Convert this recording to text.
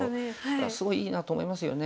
だからすごいいいなと思いますよね。